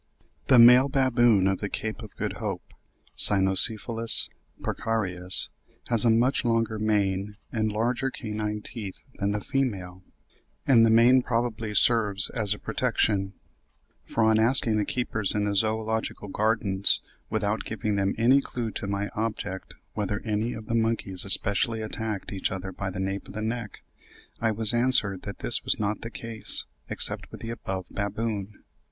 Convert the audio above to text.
The male baboon of the Cape of Good Hope (Cynocephalus porcarius) has a much longer mane and larger canine teeth than the female; and the mane probably serves as a protection, for, on asking the keepers in the Zoological Gardens, without giving them any clue to my object, whether any of the monkeys especially attacked each other by the nape of the neck, I was answered that this was not the case, except with the above baboon.